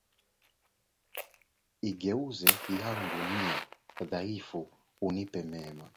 Igeuze yangu nia, dhaifu unipe mema